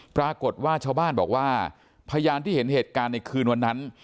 ปรากฏว่าชาวบ้านบอกว่าพยานที่เห็นเหตุการณ์ในคืนวันนั้น